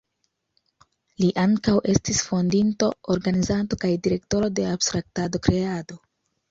Li ankaŭ estis fondinto, organizanto kaj direktoro de Abstraktado-Kreado.